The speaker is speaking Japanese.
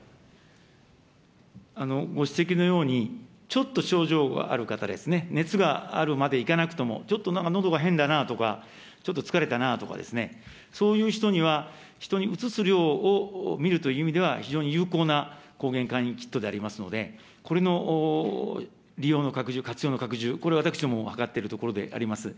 ご指摘のように、ちょっと症状がある方ですね、熱があるまでいかなくとも、ちょっとなんかのどが変だなとか、ちょっと疲れたなとかですね、そういう人には、人にうつす量を見るという意味では、非常に有効な抗原簡易キットでありますので、これの利用の拡充、活用の拡充、これ、私どもも図っているところであります。